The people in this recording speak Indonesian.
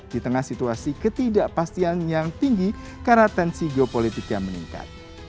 di tengah situasi ketidakpastian yang tinggi karena tensi geopolitik yang meningkat